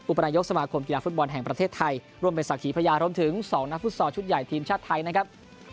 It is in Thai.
ประนายกสมาคมกีฬาฟุตบอลแห่งประเทศไทยร่วมเป็นศักดิ์พญารวมถึง๒นักฟุตซอลชุดใหญ่ทีมชาติไทยนะครับ